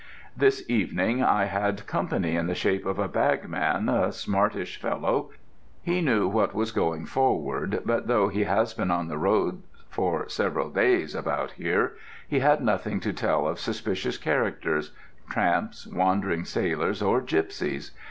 This evening I had company in the shape of a bagman, a smartish fellow. He knew what was going forward, but though he has been on the roads for some days about here, he had nothing to tell of suspicious characters tramps, wandering sailors or gipsies.